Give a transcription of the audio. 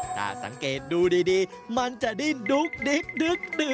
ถ้าสังเกตดูดีมันจะดิ้นดุ๊กดิ๊ก